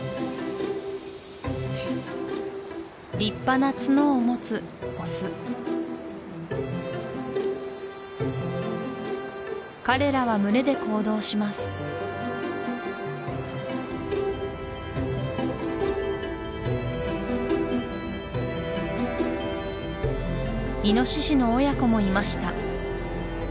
立派なツノを持つオス彼らは群れで行動しますイノシシの親子もいました